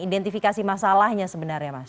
identifikasi masalahnya sebenarnya mas